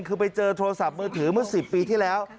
คือไปเจอโทรศัพท์มือถือเมื่อ๑๐ปีที่แล้ว